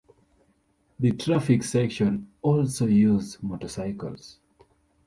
The traffic section also use motorcycles.